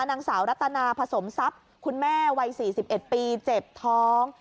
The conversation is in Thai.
นางสาวรัตนาผสมทรัพย์คุณแม่วัย๔๑ปีเจ็บท้อง